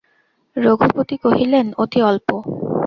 রঘুপতি কহিলেন, অতি অল্প।